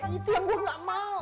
itu yang gue gak mau